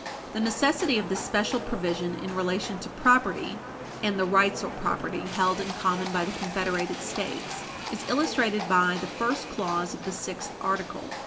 441 The necessity of this special provision in relation to property and the rights or property held in common by the confederated States is illustrated by the first clause of the sixth article.